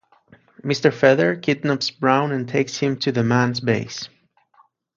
Mr. Feather kidnaps Brown and takes him to The Man's base.